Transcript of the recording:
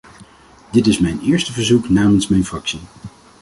Dit is mijn eerste verzoek namens mijn fractie.